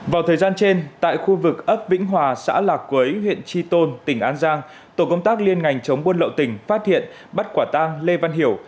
vào thời gian trên tại khu vực ấp vĩnh hòa xã lạc quế huyện tri tôn tỉnh an giang tổ công tác liên ngành chống buôn lậu tỉnh phát hiện bắt quả tang lê văn hiểu